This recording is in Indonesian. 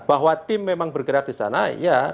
bahwa tim memang bergerak di sana ya